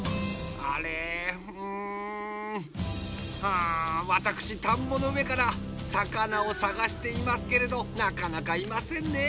あぁ私田んぼの上から魚を探していますけれどなかなかいませんねぇ。